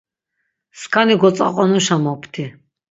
Skani gotzaqonuşa mopti.